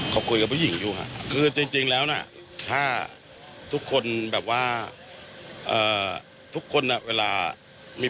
เขาคุยกับใครครับพี่